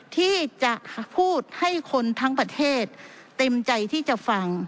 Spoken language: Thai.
ที่จะพูดให้คนทั้งประเทศเต็มใจที่จะฟัง